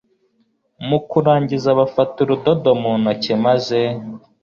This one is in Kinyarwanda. Mu kurangiza bafata urudodo mu ntoki maze